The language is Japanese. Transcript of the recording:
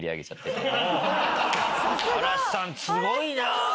さすが！嵐さんすごいな！